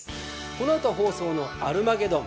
この後放送の『アルマゲドン』。